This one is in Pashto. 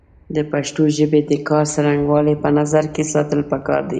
د پښتو ژبې د کار څرنګوالی په نظر کې ساتل پکار دی